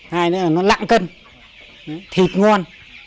hai đó là nó lặng cân thịt ngon